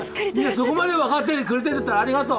そこまで分かっててくれてんだったらありがとう！